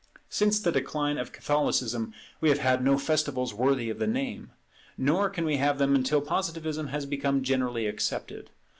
Since the decline of Catholicism we have had no festivals worthy of the name; nor can we have them until Positivism has become generally accepted.